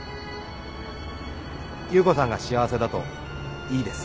優子さんが幸せだといいです。